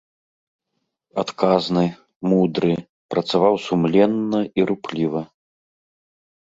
Адказны, мудры, працаваў сумленна і рупліва.